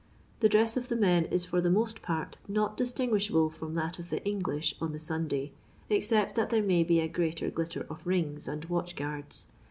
The dress of the men is for the moil part not distinguishable from that of the English on the Sunday, except that there may be a greater glitter of rings and watch guards.